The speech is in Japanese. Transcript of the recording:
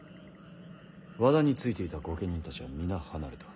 和田についていた御家人たちは皆離れた。